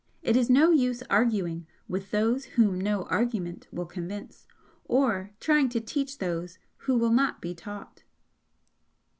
It is no use arguing with those whom no argument will convince, or trying to teach those who will not be taught.